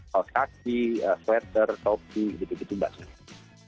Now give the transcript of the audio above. kalkulasi sweater topi gitu gitu banyak